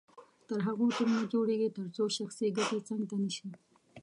تر هغو ټیم نه جوړیږي تر څو شخصي ګټې څنګ ته نه شي.